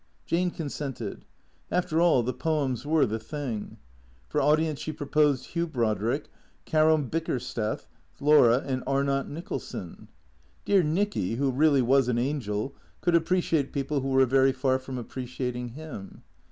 Jane consented. After all, the poems were the thing. For audience she proposed Hugh Brodrick, Caro Bickersteth, Laura, and Arnott Xicholson. Dear Xicky, who really was an angel, could appreciate people who were very far from appreciating him.